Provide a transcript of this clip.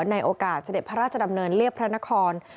ในโอกาสเสด็จพระราชดำเนินเรียบพระนคร